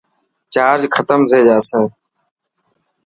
چارج ختم ٿي جاسي.